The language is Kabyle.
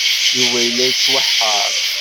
Yuba yella yettwaḥeṛṛ.